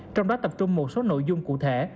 trong đó tập trung một số nội dung cụ thể